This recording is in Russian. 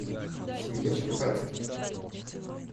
Семья Щербацких.